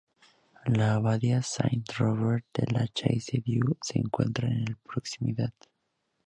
La abadía "Saint-Robert de la Chaise-Dieu" se encuentra en la proximidad.